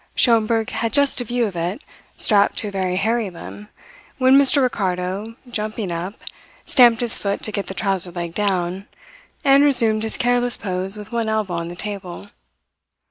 Schomberg had just a view of it, strapped to a very hairy limb, when Mr. Ricardo, jumping up, stamped his foot to get the trouser leg down, and resumed his careless pose with one elbow on the table.